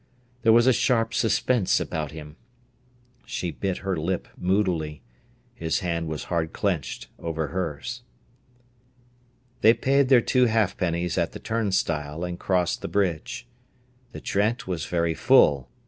There was a sharp suspense about him. She bit her lip moodily. His hand was hard clenched over hers. They paid their two halfpennies at the turnstile and crossed the bridge. The Trent was very full.